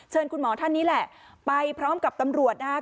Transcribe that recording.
คุณหมอท่านนี้แหละไปพร้อมกับตำรวจนะครับ